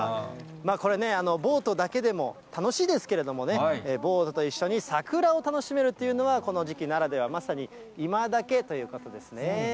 これね、ボートだけでも楽しいですけれどもね、ボートと一緒に桜を楽しめるというのは、この時期ならでは、まさにいまダケッということですね。